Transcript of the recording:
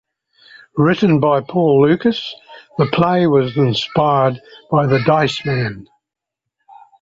Written by Paul Lucas, the play was inspired by "The Dice Man".